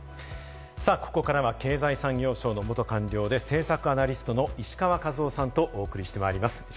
ここからは経済産業省の元官僚で政策アナリストの石川和男さんとお送りしていきます。